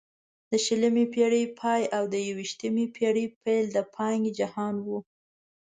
د شلمې پېړۍ پای او د یوویشتمې پېړۍ پیل د پانګې جهان وو.